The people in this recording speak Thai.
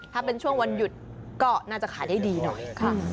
ปเราจัดต่อจนจดก็น่าจะขายได้ดีหน่อย